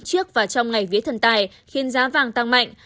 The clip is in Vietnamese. trước và trong ngày vía thần tài khiến giá vàng tăng mạnh